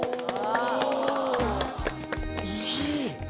いい！